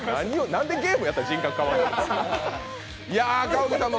なんでゲームやったら人格変わるの。